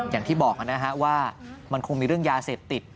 อย่างที่บอกนะฮะว่ามันคงมีเรื่องยาเสพติด